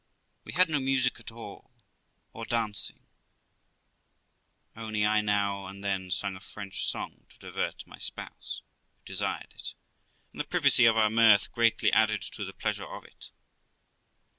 We had no music at all, or dancing; only I now and then sung a French song to divert my spouse, who desired it, and the privacy of our mirth greatly added to the pleasure of it.